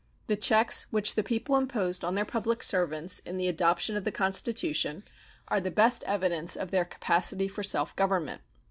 The checks which the people imposed on their public servants in the adoption of the Constitution are the best evidence of their capacity for self government.